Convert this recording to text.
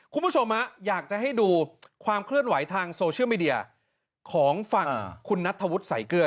คุณผู้ชมอยากจะให้ดูความเคลื่อนไหวทางโซเชียลมีเดียของฝั่งคุณนัทธวุฒิใส่เกลือ